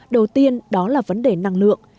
đầu tiên đó là vấn đề năng lượng